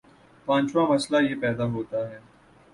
پانچواں مسئلہ یہ پیدا ہوتا ہے